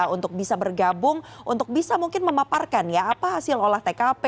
untuk bisa bergabung untuk bisa mungkin memaparkan ya apa hasil olah tkp